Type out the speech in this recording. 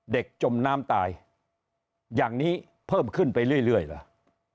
จมน้ำตายอย่างนี้เพิ่มขึ้นไปเรื่อยล่ะ